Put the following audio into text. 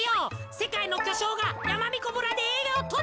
せかいのきょしょうがやまびこ村でえいがをとってるんだよ。